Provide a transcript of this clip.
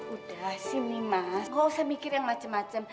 udah sini mas gua usah mikir yang macem macem